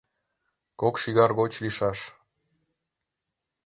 Кок шӱгар гоч лийшаш.